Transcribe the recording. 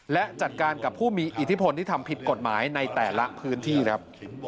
และจัดการกับผู้มีอิทธิพลที่ทำผิดกฎหมายในแต่ละพื้นที่ครับ